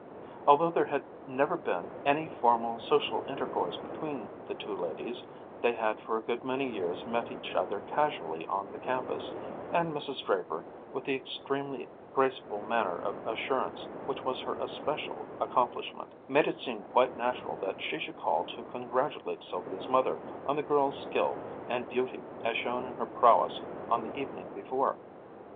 Although there had never been any formal social intercourse between the two ladies, they had for a good many years met each other casually on the campus, and Mrs. Draper, with the extremely graceful manner of assurance which was her especial accomplishment, made it seem quite natural that she should call to congratulate Sylvia's mother on the girl's skill and beauty as shown in her prowess on the evening before.